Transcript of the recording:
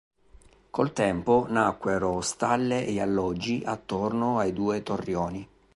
Col tempo nacquero stalle e alloggi attorno ai due torrioni.